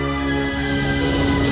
aku akan menangkapmu